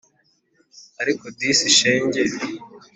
ariko disi shenge